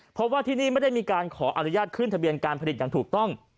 เพราะว่าที่นี่ไม่ได้มีการขออนุญาตขึ้นทะเบียนการผลิตอย่างถูกต้อง